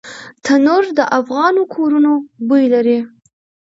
تنور د افغانو کورونو بوی لري